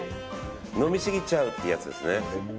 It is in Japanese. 飲みすぎちゃうってやつですね。